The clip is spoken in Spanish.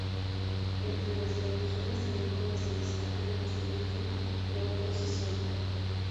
Entre las producciones agrícolas se destacan las de mijo, porotos y soya.